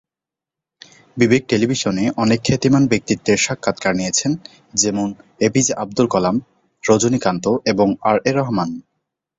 বিবেক টেলিভিশনে অনেক খ্যাতিমান ব্যক্তিত্বের সাক্ষাৎকার নিয়েছেন যেমনঃ A P J Abdul Kalam, Rajinikanth এবং এ আর রহমান।